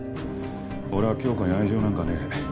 俺は響子に愛情なんかねえ。